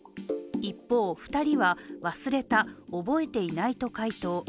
一方、２人は忘れた、覚えていないと回答。